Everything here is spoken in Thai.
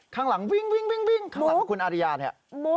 ข้างหลังวิ่งข้างหลังคุณอาริยานแหละครับมุก